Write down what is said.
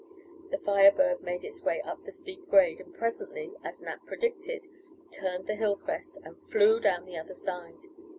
The Fire Bird made its way up the steep grade, and presently, as Nat predicted, turned the hill crest and "flew" down the other side.